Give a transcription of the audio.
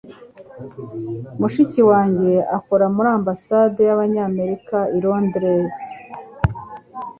Mushiki wanjye akora muri Ambasade y’Amerika i Londres.